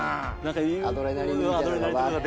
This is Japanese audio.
アドレナリンみたいなのが。